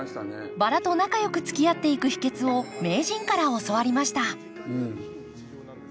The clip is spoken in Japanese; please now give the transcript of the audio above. バラと仲よくつきあっていく秘けつを名人から教わりました。